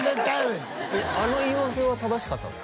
えっあの言い訳は正しかったんですか？